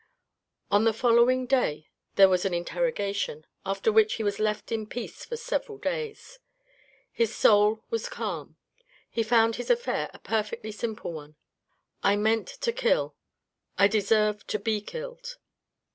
On the following day there was an interrogation, after which he was left in peace for several days. His soul was calm. He found his affair a perfectly simple one. " I meant to kill. I deserve to be killed."